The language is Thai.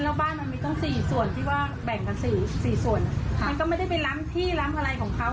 แล้วบ้านมันมีตั้งสี่ส่วนที่ว่าแบ่งกันสี่สี่ส่วนค่ะมันก็ไม่ได้ไปล้ำที่ล้ำอะไรของเขา